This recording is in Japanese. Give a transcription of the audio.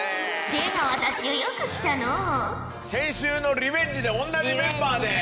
出川たちよよく来たのう。